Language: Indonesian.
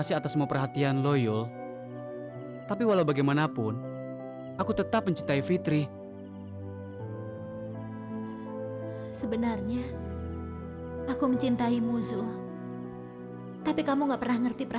sampai jumpa di video selanjutnya